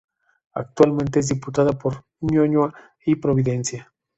Actualmente es diputada por Ñuñoa y Providencia.